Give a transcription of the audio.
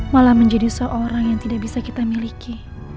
malah menjadi seorang yang tidak bisa kita miliki